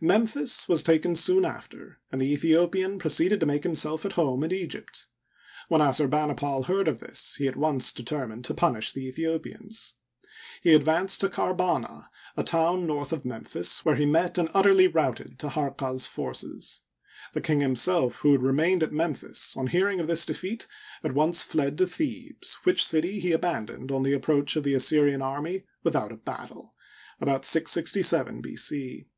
Memphis was taken soon after, and the Aethi opian proceeded to make himself at home in Egypt. When Assurbanipal heard of this, he at once determined to punish the Aethiopians. He advanced to Karbana, a Digitized byCjOOQlC X22 HISTORY OF EGYPT. town north of Memphis, where he met and utterly routed Taharqa's forces. The king himself, who had remained at Memphis, on hearing of this defeat, at once fled to Thebes, which city he abandoned on the approach of the Assyrian army without a battle (about 667 B. c).